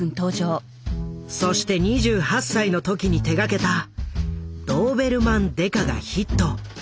そして２８歳の時に手がけた「ドーベルマン刑事」がヒット。